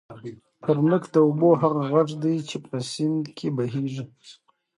ترنګ د اوبو هغه غږ دی چې په سیند کې بهېږي.